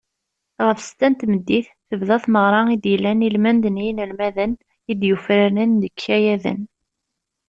Ɣef ssetta n tmeddit, tebda tmeɣra i d-yellan ilmend n yinelmaden i d-yufraren deg yikayaden.